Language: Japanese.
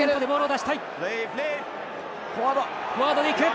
フォワードで行く！